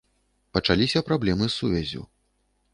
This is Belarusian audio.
Пачаліся праблемы з сувяззю.